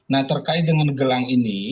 nah terkait dengan gelang ini